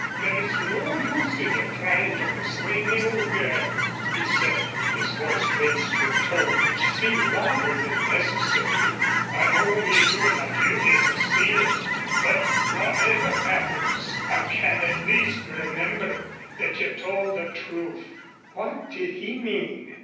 "There is no use in your trying to persuade me, old girl," he said, his voice raised to a tone which seemed louder than necessary. "I am only doing my duty as I see it. But whatever happens I can at least remember that you told the truth." What did he mean?